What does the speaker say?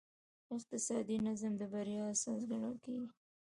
اقتصادي نظم د بریا اساس ګڼل کېږي.